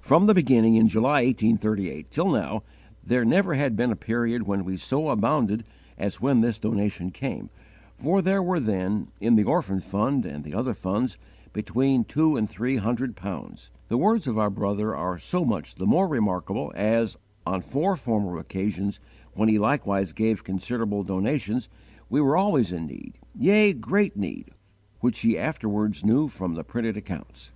From the beginning in July, 1838, till now, there never had been a period when we so abounded as when this donation came; for there were then, in the orphan fund and the other funds, between two and three hundred pounds! The words of our brother are so much the more remarkable as, on four former occasions, when he likewise gave considerable donations, we were always in need, yea, great need, which he afterwards knew from the printed accounts."